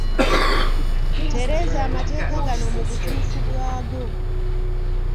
Tereeza amateeka gano mu butuufu bwago.